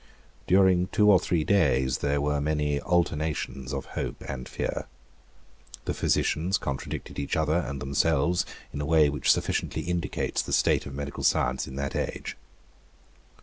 During two or three days there were many alternations of hope and fear. The physicians contradicted each other and themselves in a way which sufficiently indicates the state of medical science in that age.